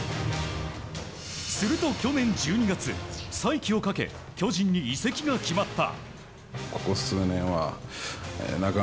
すると去年１２月、再起をかけ巨人に移籍が決まった。